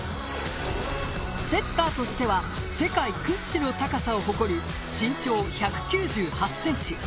セッターとしては世界屈指の高さを誇る身長１９８ｃｍ。